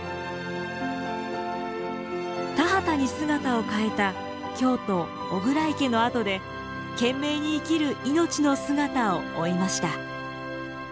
田畑に姿を変えた京都巨椋池の跡で懸命に生きる命の姿を追いました。